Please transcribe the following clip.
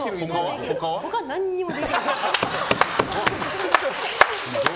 他は何もできない。